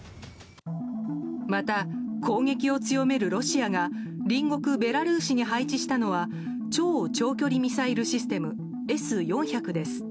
また、攻撃を強めるロシアが隣国ベラルーシに配置したのは超長距離ミサイルシステムＳ４００です。